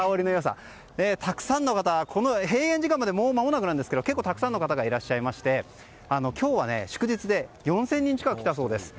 たくさんの方、閉園時間までもう間もなくですがたくさんの方いらっしゃいまして今日は、祝日で４０００人近く来たそうです。